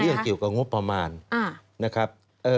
เรื่องเกี่ยวกับงบประมาณนะครับ